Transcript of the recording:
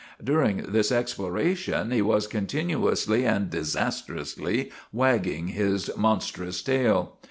Dur ing this exploration he was continuously and dis astrously wagging his monstrous tail.